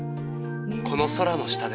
この空の下で。